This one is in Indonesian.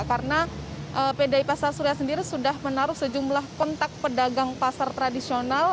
karena pd pasar suria sendiri sudah menaruh sejumlah kontak pedagang pasar tradisional